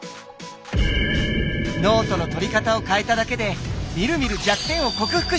ノートのとり方を変えただけでみるみる弱点を克服したんです！